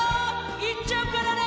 行っちゃうからね